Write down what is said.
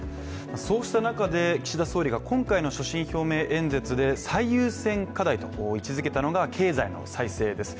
そうした中で、岸田総理が今回の所信表明演説で最優先課題と位置づけたのが経済の再生です。